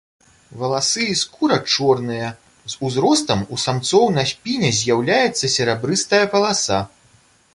Валасы і скура чорныя, з узростам у самцоў на спіне з'яўляецца серабрыстая паласа.